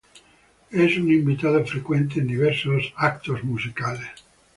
Es un invitado frecuente en diversos eventos musicales.